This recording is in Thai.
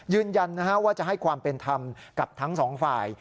ยืนยันนะครับว่าจะให้ความเป็นธรรมกับทั้ง๒ฝ่าย